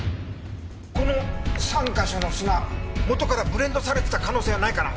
この３か所の砂元からブレンドされてた可能性はないかな？